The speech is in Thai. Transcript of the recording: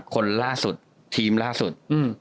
คนล่าสุดทีมล่าสุด